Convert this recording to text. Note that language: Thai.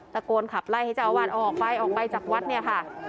ตะโกนขับไล่ให้เจ้าอาวาสออกไปออกไปจากวัดเนี่ยค่ะ